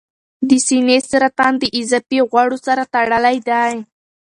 د سینې سرطان د اضافي غوړو سره تړلی دی.